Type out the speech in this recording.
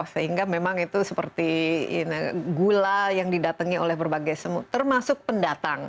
sehingga memang itu seperti gula yang didatangi oleh berbagai semu termasuk pendatang